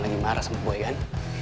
lagi marah sama gue kan